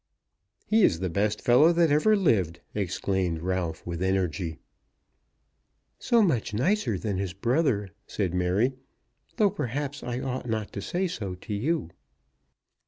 "He is the best fellow that ever lived," exclaimed Ralph with energy. "So much nicer than his brother," said Mary; "though perhaps I ought not to say so to you."